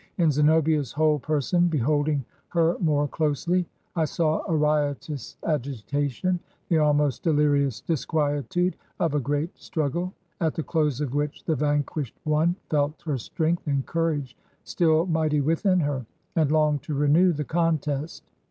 ... In Zenobia's whole person, beholding her more closely, I saw a riotous agitation; the almost delirious disquietude of a great struggle, at the close of which the vanquished one felt her strength and courage stiU mighty within her, and longed to renew the contest.